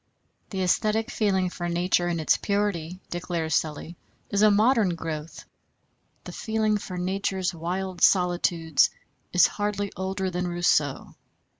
"The æsthetic feeling for nature in its purity," declares Sully, "is a modern growth ... the feeling for nature's wild solitudes is hardly older than Rousseau."